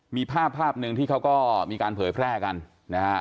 มีภาพภาพหนึ่งที่เขาก็มีการเผยแพร่กันนะฮะ